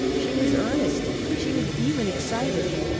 She was earnest, she was even excited.